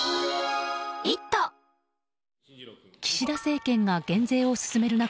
岸田政権が減税を進める中